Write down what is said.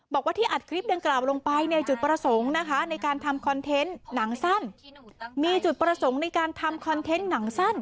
บอกว่าที่อัดคลิปดังกล่าวลงไปในจุดประสงค์นะคะในการทำคอนเทนต์หนังสั้นมีจุดประสงค์ในการทำคอนเทนต์หนังสั้น